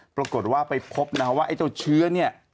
ปรากฏว่าไปพบนะฮะว่าไอ้เจ้าเชื้อเนี่ย